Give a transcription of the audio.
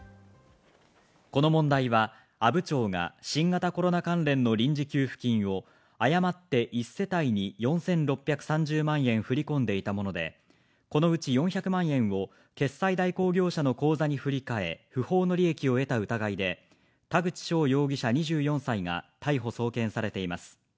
この問題は阿武町が新型コロナ関連の臨時給付金を誤って１世帯に４６３０万円振り込んでいたもので、このうち４００万円を決済代行業者の口座に振り替え、不法の利益を得た疑いで、田口翔容疑者、２４歳が逮捕・送検されています。